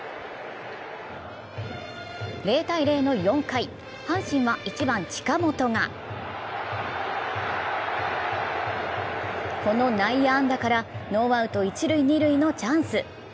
０−０の４回、阪神は１番・近本がこの内野安打からノーアウト一・二塁のチャンス。